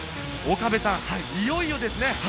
岡部さん、いよいよですね。